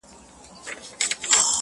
ړوند رڼا نه پېژني.